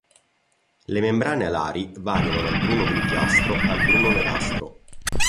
Le membrane alari variano dal bruno-grigiastro al bruno-nerastro.